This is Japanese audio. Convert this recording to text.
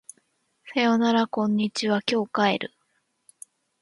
さよならこんにちは今日帰る